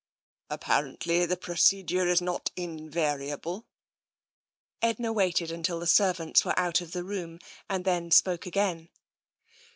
" Apparently the procedure is not invariable." Edna waited until the servants were out of the room, and then spoke again.